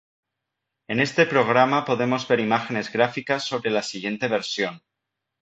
En este programa podemos ver imágenes gráficas sobre la siguiente versión.